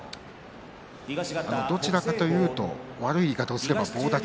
どちらかというと悪い言い方をすれば棒立ち。